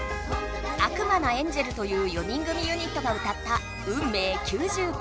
悪魔なエンジェルという４人組ユニットがうたった「運命’９９」。